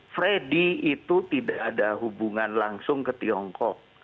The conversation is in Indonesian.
freddy itu tidak ada hubungan langsung ke tiongkok